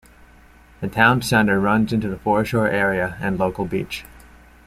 The town centre runs into the foreshore area and local beach.